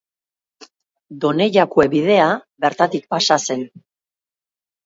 Donejakue Bidea bertatik pasa zen.